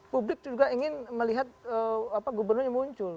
publik juga ingin melihat gubernurnya muncul